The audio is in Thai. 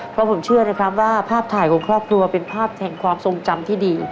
เพราะผมเชื่อนะครับว่าภาพถ่ายของครอบครัวเป็นภาพแห่งความทรงจำที่ดี